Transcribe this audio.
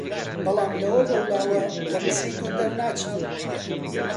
بەڵام لەوە بەولاوە لە قسەی تۆ دەرناچین